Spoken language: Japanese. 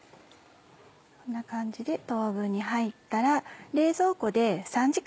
こんな感じで等分に入ったら。